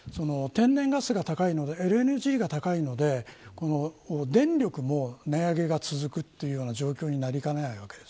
天然ガスが高いのでＬＮＧが高いので電力も値上げが続く状況になりかねない。